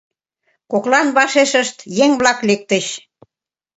Коклан вашешышт еҥ-влак лектыч.